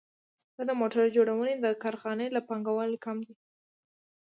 دا د موټر جوړونې د کارخانې له پانګوال کم دی